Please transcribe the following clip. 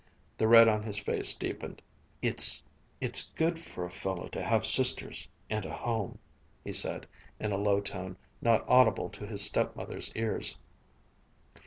The red on his face deepened. "It's it's good for a fellow to have sisters, and a home," he said in a low tone not audible to his stepmother's ears.